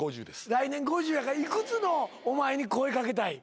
来年５０やからいくつのお前に声かけたい？